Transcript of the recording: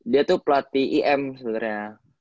dia tuh pelatih im sebenarnya